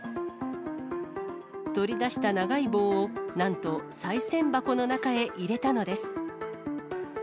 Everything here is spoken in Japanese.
取り出した長い棒を、なんと、さい銭箱の中へ入れたのです。